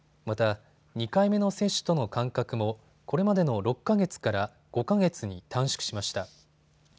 また２回目の接種との間隔もこれまでの６か月から５か月に短縮しました。